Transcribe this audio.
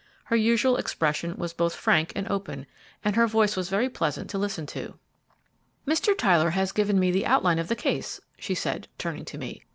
Her usual expression was both frank and open, and her voice was very pleasant to listen to. "Mr. Tyler has already given me the outline of the case," she said, turning to me.